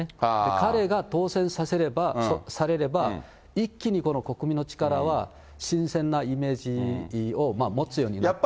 彼が当選されれば、一気に国民の力は新鮮なイメージを持つようになって。